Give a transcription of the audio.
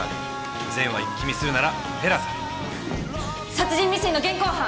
殺人未遂の現行犯！